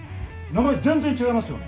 名前全然違いますよね。